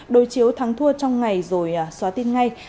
đối chiếu thắng thua trong ngày rồi xóa tin ngay